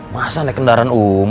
masa nih kendaraan umum